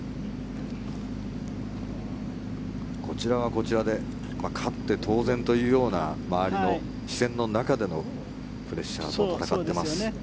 こちらはこちらで勝って当然というような周りの視線の中でのプレッシャーと戦っています。